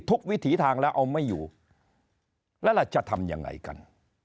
วิถีทางแล้วเอาไม่อยู่แล้วเราจะทำยังไงกัน